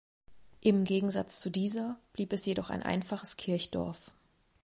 Im Gegensatz zu dieser blieb es jedoch ein einfaches Kirchdorf.